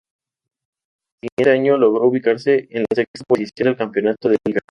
Al siguiente año, logró ubicarse en la sexta posición del campeonato de liga.